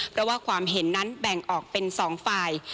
เพราะว่าความเห็นนั้นแบ่งออกเป็น๒ฝ่าย